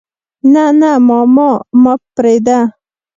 نه نه ماما ما پرېده.